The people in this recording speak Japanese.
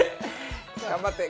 頑張って！